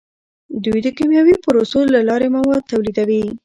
دوی د کیمیاوي پروسو له لارې مواد تولیدوي.